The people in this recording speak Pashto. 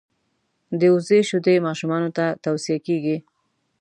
دبزې شیدي ماشومانوته نه تو صیه کیږي.